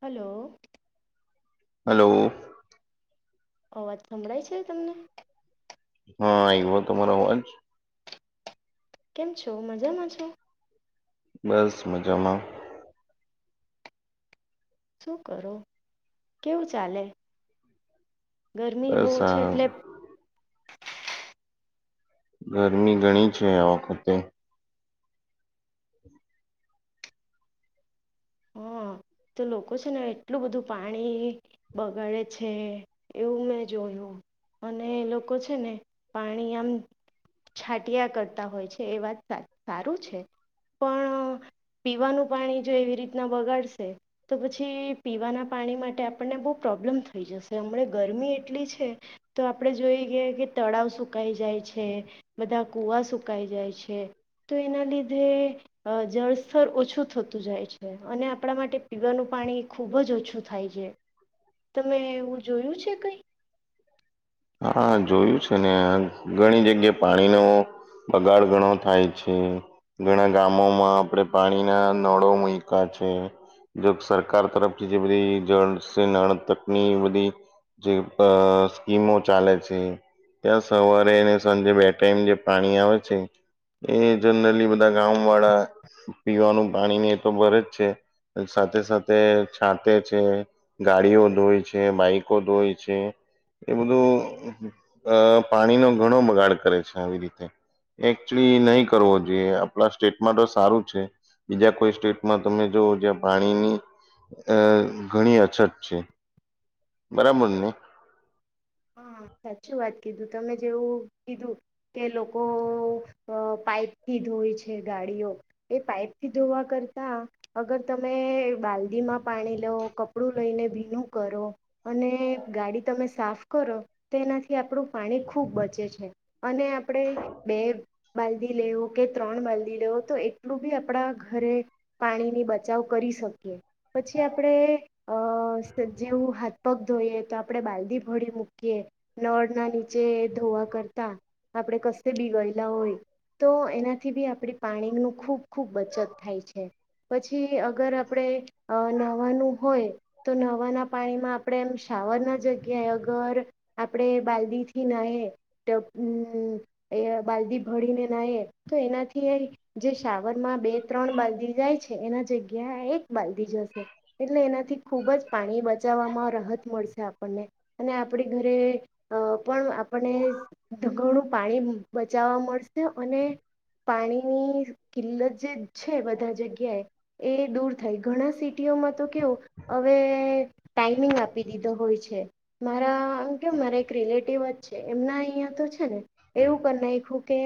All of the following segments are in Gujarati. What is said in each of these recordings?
હલો હલો અવાજ સંભળાય છે તમને હા, આવ્યો તમારો અવાજ કેમ છો, મજામાં છો બસ મજામાં શું કરો, કેવું ચાલે ગરમી બહુ બસ આ છે, એટલે ગરમી ઘણી છે, આ વખતે [unintelligible] હા તો લોકો છે ને એટલું બધું પાણી બગાડે છે, એવું મેં જોયું અને લોકો છે, ને પાણી આમ છાંટયા કરતા હોય છે, એ વાત સારું છે, પણ પીવાનું પાણી જો એવી રીતના બગાડશે તો પછી પીવાના પાણી માટે આપણને બહુ પ્રોબ્લેમ થઈ જશે હમણા ગરમી એટલી છે, તો આપણે જોઈએ કે તળાવ સુકાઈ જાય છે, બધા કુવા સુકાઈ જાય છે તો એના લીધે અ જળસ્તર ઓછું થતું જાય છે, અને આપણા માટે પીવાનું પાણી ખુબ જ ઓછું થાય છે, તમે એવું જોયું છે કઈ હા, જોયું છે ને ઘણી જગ્યાએ પાણીનો બગાડ ઘણો થાય છે. ઘણા ગામોમાં આપણે પાણીના નળો મુકા છે. જો સરકાર તરફથી જે, બધી જળ નળ તકની બધી જે સ્કીમો ચાલે છે. ત્યાં સવારે સાંજે બે ટાઈમ જે પાણી આવે છે. એ જનરલી બધા ગામ વાળા પીવાનું પાણી ને એ તો ભરે જ છે સાથે સાથે છાતે છે ગાડીઓ ધોય છે. બાઈકો ધોય છે, એ બધું પાણીનો ઘણો બગાડ કરે છે. આવી રીતે એકચુલી નહી કરવો જોઈએ. આપણા સ્ટેટમાં તો સારું છે. બીજા કોઈ સ્ટેટમાં તમે જોવ જ્યા પાણીની ઘણી અછત છે. બરાબર ને હા સાચી વાત કીધું તમે, જેવું કીધું કે લોકો પાઈપથી ધોય છે. ગાડીઓ એ પાઈપથી ધોવા કરતાં અગર તમે, બાલ્દીમાં પાણી લેવ કપડું લઈને બી ું કરો અને ગાડી તમે, સાફ કરો તેનાથી આપણું પાણી ખૂબ બચે છે. અને આપણે બે બાલ્દી લેવું કે ત્રણ બાલ્દી લેવું તો એટલું બી આપણા ઘરે પાણીની બચાવ કરી શકીએ. પછી આપડે અ જેવું હાથ પગ ધોઈએ. તો આપણે બાલદી ભળડી મુૂકી શ નળના નીચે ધોવા કરતા આપણે કસે બી ગયેલા હોય તો એનાથી બી આપડી પાણીનું ખૂબ ખૂબ બચત થાય છે પછી અગર આપણે નાહવાનું હોય તો નાહવાના પાણીમાં માં આપણેે એમ શાવરના જગ્યાએ અગર આપણે બાલ્દીથી નાયએ બાલ્દી ભળીને નાયએ તો એનાથી જે શાવર માં બે ત્રણ બાલ્દી જાય છે. એના જગ્યા એક બાલ્દી જશે એટલે એનાથી ખૂબ જ પાણી બચાવવામાં રાહત મળશે આપણને અને આપ ઘરે [unintelligible] પણ આપણનેઘણું પાણી બચાવવા મળશે અને પાણીની કિલ્લત જે છે બધા જગ્યાએ એ દૂર થાય ઘણા સી તો કેવું [unintelligible] [unintelligible] ટાઈમિંગ આપી દીધો હોય છે. મારા કે મારા એક રિલેટિવ જ છે. એમના અહંયા તો છે ને એવું કરીનેખું કે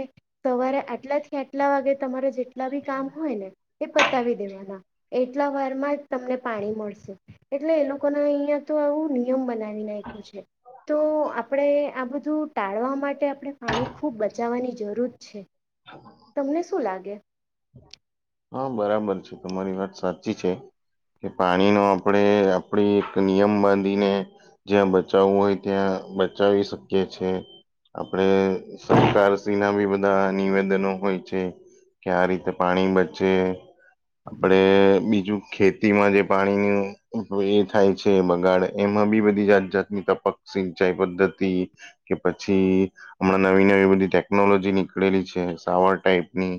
સવારે આટલાથી આ આટલા વાગે તમારે જેટલા બી કામ હોય ને એ બતાવી દેવાના એટલા વારમાં જ તમને પાણી મળશે એટલે, એ લોકોના અહિયાં તો આવું નિયમ બના તો આપણે આ બધું ટાળવા માટે આપણે પાણી ખૂબ બચાવવાની જરૂર છે. તમને શું લાગે! હા બરાબર છે તમારી વાત સાચી છે કે પાણીનો આપણે આપડી એક નિયમ બાંધીને જ્યાં બચાવવું હોય ત્યાં બચાવી શકીએ છે. આપડે સરકારશ્રીના બી બધા નિવેદનો હોય છે. કે આ રીતે પાણી આપડે બીજું ખેતીમાં જે પાણીનો ઊપયોગ થાય છે. બગાડ એમાં બી બધી જાત જાતની તપક સિંચાઈ પદ્ધતિ કે પછી હમણાં નવી નવી બધી ટેકનોલોજી નીકળેલી છે સાવર ટાઈપ ની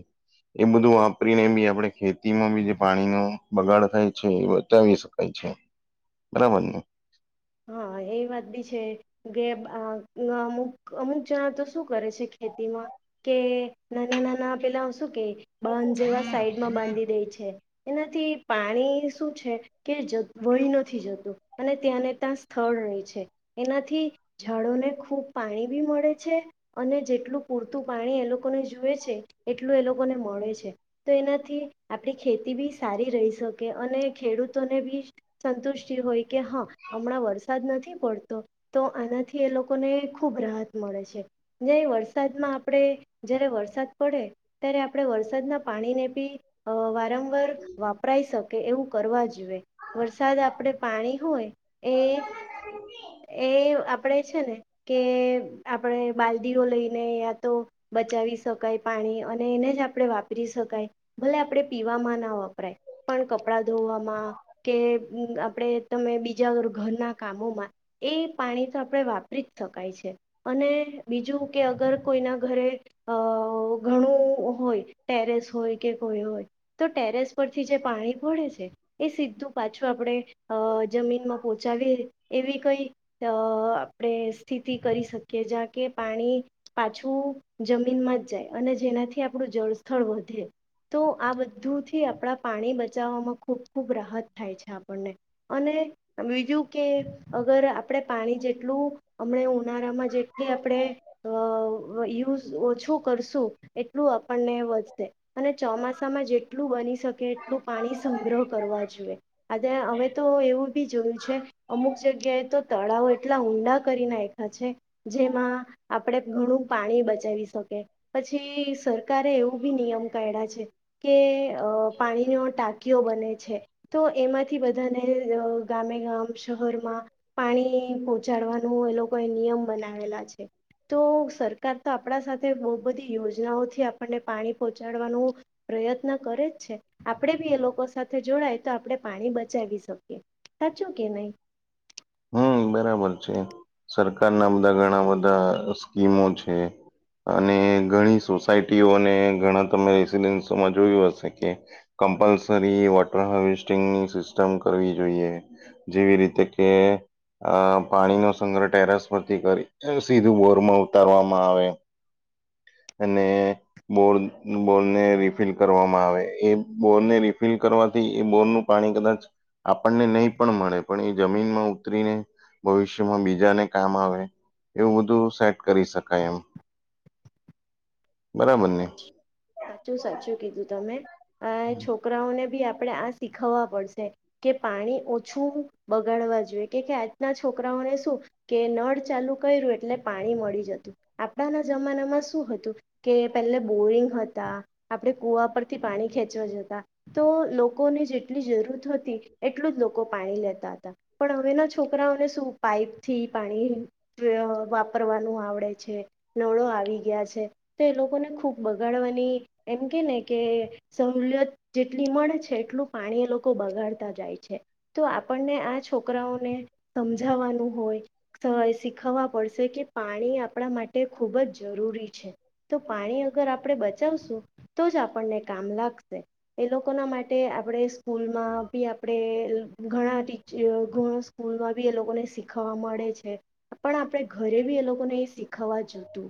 એ બધું છોકરીને [unintelligible] બી આપે ખેતીમાં બી જે પાણીનો બગાડ થાય છે એ બચાવી શકાય છે. બરાબરને! હા, એ વાત બી છે કે અમુક અમુક જણા તો શું કરે છે ખેતીમાં કે નાના નાના પેલા શું કે બંધ જેવા સાઈડમાં બાંધી દે છે. એનાથી પાણી શું છે. કે વહી નથી જતું અને ત્યાંને તં સ્થળ રહે છે એનાથી જડોને ખૂબ પાણી બી મળે છે અને જેટલું પૂરતું પાણી એ લોકોને જુએ છે એટલું એ લોકોને મળે છે, તો એનાથી આપણી ખેતી બી સારી રહી શકે અને ખેડૂતોને બી સંતુષ્ટિ હોય હ. હમણાં વરસાદ નથી પડતો તો આનાથી એ લોકોને ખુબ રાહત મળે છે. ને વર્ષ વરસાદમાં આપણે જ્યારે વરસાદ પડે ત્યારે આપણે વરસાદના પાણીને બી વારંવાર વાપરાઈ શકીએ. એવું કરવા જોઈએ વરસાદ આપડે પાણી હોય એક કે આપણે બાલ્દીઓ લઈને યા તો બચાવી શકાય. પાણી અને એને જ આપણે વાપરી શકાય ભલે આપણે, પીવામાં ના વાપરાય પણ કપડાં ધોવામાં કે આપણે તમે બીજા ઘરના કામોમાં એ પાણી તો આપણે વાપરી જ શકાય છે. અને બીજું કે અગર કોઈના ઘરે અ ઘણું હોય ટેરેસ હોય કે કોઈ હોય તો ટેરેસ પરથી જે પાણી ભડે છે. એ સીધું પાછું આપણે જમીનમાં પોહોંચાવી એવી કોઈ તો [unintelligible] આપણે સ્થિતિ કરી શકીએ, જ્યાં કે પાણી પાછું જમીનમાં જ જાય અને જેનાથી આપણું જળ વધ્યો તો આ બધુંથી આપણા પાણી બચાવવામાં ખૂબ ખૂબ રાહત થાય છે આપણને અને, બીજું કે અગર આપણે પાણી જેટલું હમણે ઉનાળામાં જેટલી આપણે અ યુઝ ઓછું કરશું એટલું આપણને વધશે અને ચોમાસામાં જેટલું બની શકે એટલું પાણી સંગ્રહ કરવા જોઈએ હવે તો એવું જોયું છે અમુક કે તો તળાવ એટલા ઊંડા કરી નાયખા છે, જેમાં આપણેે ઘણું પાણી બચાવી શકી, પછી સરકારે એવું નિયમ કાયળ છે કે પાણીનો ટાંકીઓ બંધ એ છે તો એમાંથી બધાને ગામે ગામ શહર પાણી પહોંચાડવાનું એ લોકો એ નિયમ બનાવેલા છે. તો સરકાર તો આપણા સાથે બહુ બધી યોજનાઓથી આપણને પાણી પહોચાડવાનું પ્રયત્ન કરે જ છે. આપણે બી એ લોકો સાથે જોડાય તો આપણે પાણી બચાવી શકીએ. સાચું કે નહીં? હમ બરાબર છે સરકારના અમના ઘણા બધા સ્કીમો છે અને ઘણી સોસાયટીઓને ઘણા તમે રેસડન્સમાં જોયું હશે કે કમ્પલસરી વોટર હાર્વેસ્ટિંગની સિસ્ટમ કરવી જોઈએ જેવી રીતે કે અ પાણીનો સંગ્રહ ટેરસ પરથી કરી સીધું બોરમાં ઉતારવામાં આવે અને બોર બોરને રિફિલ કરવામાં આવે એ બોરને રિફિલ કરવાથી એ બોરનું પાણી કદાચ આપણને નહી પણ મળે પણ એ જમીનમાં ઉતરીને ભવિષ્યમાં બીજાને કામ આવે એવું બધું સેટ કરી શકાય એમ બરાબર ને સા સાચું સાચું કીધું તમે? અ છોકરાઓને ભી આપ આપણે આ શીખવવા પડશે કે પાણી ઓછું બગાડવા જોઈએ કે આજના છોકરાઓને શું કે નળ ચાલુ કર્યું એટલે પાણી મળી જતું આપણાના જમાનામાં શું હતું? કે પહેલે બોરિંગ હતા આપણે કૂવા પરથી પાણી ખેંચવા જતા તો લોકોને જેટલી જરૂર હતી એટલું જ લોકો પાણી લેતા હતા પણ હવેના છોકરાઓને શું પાઈપથી પાણી વાપરવાનું આવડે છે. નળો આવી ગયા છે. તે એ લોકોને ખૂબ બગાડવાની એમ કે ને કે સહુલિયત જેટલી મળે છે એટલું પાણી એ લોકો બગાડતા જાય છે તો આપણને આ છોકરાઓને સમજાવવાનું હોય શીખવા પડશે કે પાણી આપણા માટે ખૂબ જ જરૂરી છે. પાણી અગર આપડણે બચાવશું ઓ તો જ આપણને કામ લાગશે એ લોકોના માટે આપણે સ્કૂલમાં બી આપણે ઘણા એ લોકો સ્કૂલ માં બી એ લોકોને શીખવા મળે છે પણ આપણે ઘરે બી એ લોકોને એ શીખવા જોઇતું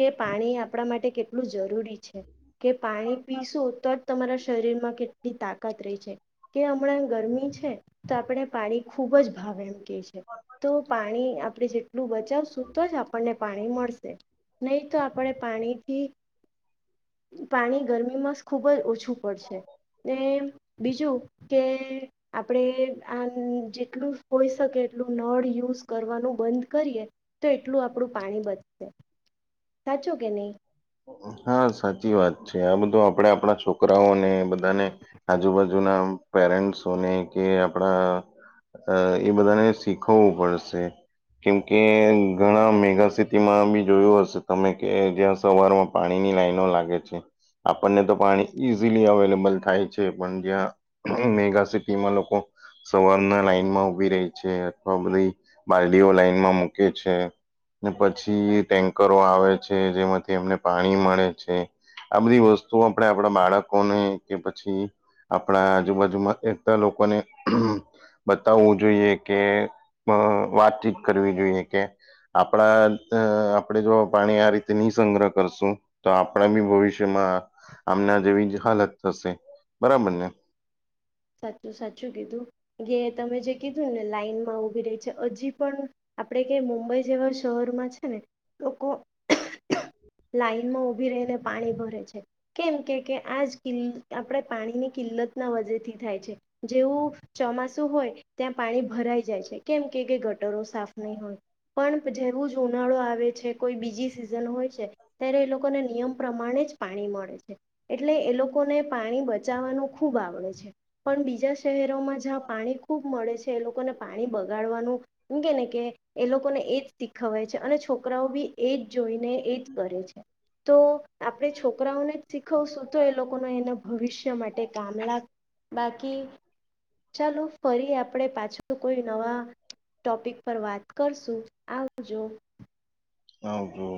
કે પાણી આપણા માટે કેટલું જરૂરી છે કે પાણી પીશું તો જ તમારા શરીરમાં કેટલી તાકાત રહે છે કે હમણાં ગરમી છે તો આપણે પાણી ખૂબ જ ભાવ એમ કે છે તો પાણી આપડ જે આટલું બચાવશું તો જ આપણને પાણી મળશે નહી તો આપણે પાણીથી પાણી ગરમીમાં ખુબ જ ઓછું પડશે ને બીજું કે આપણે આમ જેટલું હોઈ એટલું નળ યુઝ કરવાનું બંધ કરીએ તો એટલું આપણું પાણી બચશે સાચો કે ની? હા સાચી વાત છે આ બધું આપણેે આપણા છોકરાઓને બધાને આજુબાજુના પેરેન્ટ્સોને કે આપણા એ બધાને શીખવવું પડશે કેમકે ઘણા મેગાસિટીમાં બી જોયું હશે તમે કે જ્યાં સવારમાં પાણીની લાઈનો લાગે છે આપણને તો પાણી ઈઝીલી અવેલેબલ થાય છે પણ જ્યાં મેગ સિટીમાં લોકો સવારના લાઈનમાં ઉભી રેય છે અથવા બધી બાલડીઓ લાઈનમાં મૂકે છે ને પછી ટેન્કરો આવે છે જેમાંથી એમને પાણી મળે છે આ બધી વસ્તુ આપણે આપણા બાળકોને કે પછી આપણા આજુબાજુમાંતા લોકોને બતાવવું જોઈએ કે વાતચીત કરવી જોઈએ કે આપણા આપણેે જો પાણી આ રીતે ની સંગ્રહ કરશું તો આપણા બી ભવિષ્યમાં આમને જેવી જ હાલત થશે બરાબર ને સાચું સાચું કીધું કે તમે જે કીધું ને લાઈનમાં ઉભી રહી છે હજી પણ આપણેે કે મુંબઈ જેવા શહેરમાં છે ને લોકો લાઈનમાં ઉભી રહીને પાણી ભરે છે કેમ કે કે આજ કિલ્ આપણે પાણીની કિલ્લત ના વજેથી થાય છે જેવું ચોમાસું હોય ત્યાં પાણી ભરાઈ જાય છે કેમ કે કે ગટરો સાફ નહીં હોય પણ જેવું જ ઉનાળો આવે છે કોઈ બીજી સિઝન હોય છે ત્યારે એ લોકોને નિયમ પ્રમાણે જ પાણી મળે છે એટલે એ લોકોને પાણી બચાવવાનું ખૂબ આવડે છે. પણ બીજા શહેરોમાં જ્યાં પાણી ખૂબ મળે છે એ લોકોને પાણી બગાડવાનું હું કે ને કે એ લોકો ને એજ શીખવાય છે અને છોકરાઓ બી એજ જોઈને એજ કરે છે તો આપણે છોકરાઓને જ શીખવશું તો એ લોકોનો એના ભવિષ્ય માટે કામ લાગશે બાકી ચાલો ફરી આપણે પાછો કોઈ નવા ટોપિક પર વાત કરશું આવજો આવજો.